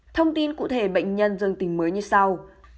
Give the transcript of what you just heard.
thông tin cụ thể bệnh nhân dương tình mới như sau